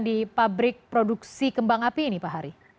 di pabrik produksi kembang api ini pak hari